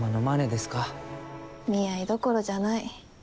見合いどころじゃない。